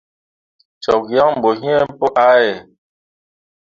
Cok yan bo yiŋ pu ʼahe.